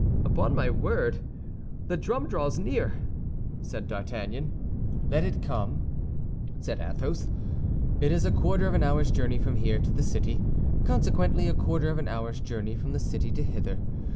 "Upon my word, the drum draws near," said D'Artagnan. "Let it come," said Athos. "It is a quarter of an hour's journey from here to the city, consequently a quarter of an hour's journey from the city to hither.